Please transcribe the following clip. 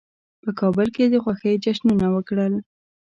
په کابل کې د خوښۍ جشنونه وکړل.